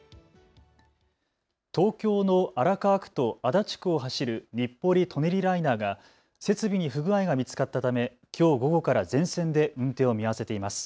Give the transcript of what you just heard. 東京の荒川区と足立区を走る日暮里・舎人ライナーが設備に不具合が見つかったためきょう午後から全線で運転を見合わせています。